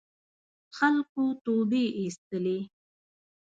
خلکو توبې اېستلې.